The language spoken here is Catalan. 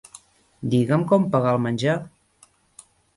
Digue'm com pagar el menjar.